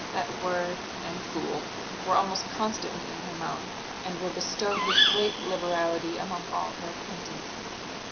That word, and fool, were almost constantly in her mouth, and were bestowed with great liberality among all her acquaintance.